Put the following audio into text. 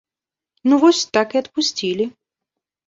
Ну вось так і адпусцілі.